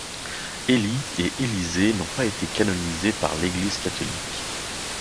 Élie et Élisée n'ont pas été canonisés par l’Église catholique.